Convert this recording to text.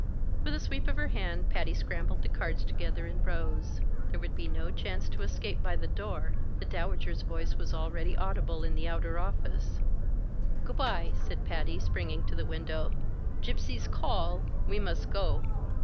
With a sweep of her hand, Patty scrambled the cards together and rose. There would be no chance to escape by the door; the Dowager's voice was already audible in the outer office. "Goo' by!" said Patty, springing to the window. "Gypsies call. We must go."